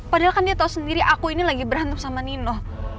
padahal kan dia tahu sendiri aku ini lagi berantem sama nino